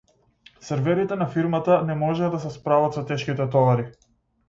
Серверите на фирмата не можеа да се справат со тешките товари.